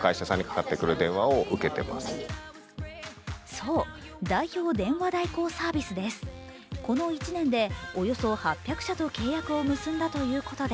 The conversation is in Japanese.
そう、代表電話代行サービスですこの１年で、およそ８００社と契約を結んだということで、